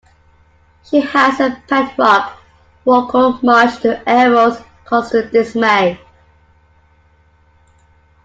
She has a pet rock, Rocco, much to Elmo's constant dismay.